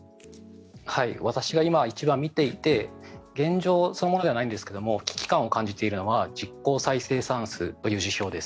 私が今、一番見ていて現状そのものではないんですが危機感を感じているのは実効再生産数という指標です。